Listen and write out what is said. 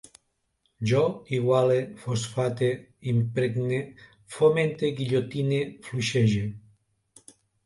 Jo iguale, fosfate, impregne, fomente, guillotine, fluixege